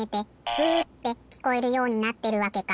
ブーってきこえるようになってるわけか。